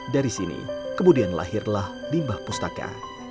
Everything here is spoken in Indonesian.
dari sini kemudian lahirlah limbah pustaka